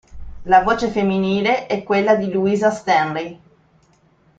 La voce femminile è quella di Louisa Stanley.